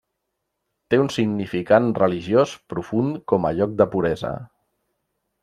Té un significant religiós profund com a lloc de puresa.